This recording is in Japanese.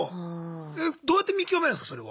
えっどうやって見極めるんすかそれは。